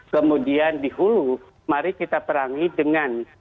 kemudian di hulu mari kita perangi dengan